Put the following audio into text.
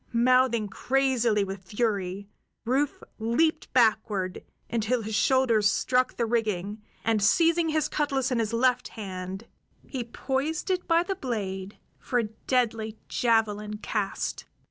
Mouthing crazily with fury, Rufe leaped backward until his shoulders struck the rigging, and, seizing his cutlas in his left hand, he poised it by the blade for a deadly javelin cast.